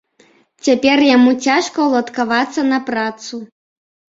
Цяпер яму цяжка уладкавацца на працу.